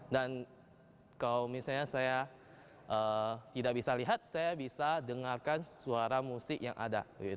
dan kalau misalnya saya tidak bisa lihat saya bisa dengarkan suara musik yang ada